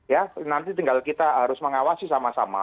ya nanti tinggal kita harus mengawasi sama sama